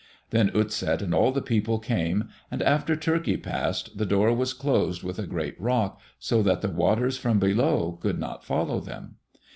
Then Utset and all the people came, and after Turkey passed, the door was closed with a great rock so that the waters from below could not follow them.